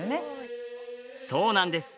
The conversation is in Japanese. そうなんです。